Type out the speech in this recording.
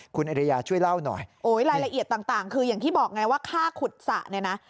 คุณอริยาช่วยเล่าหน่อยโอ้ยรายละเอียดต่างคืออย่างที่บอกไงว่าค่าขุดสระเนี่ยนะ